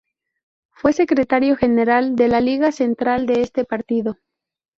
Fue secretario general de la Liga Central de ese partido.